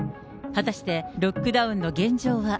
果たして、ロックダウンの現状は。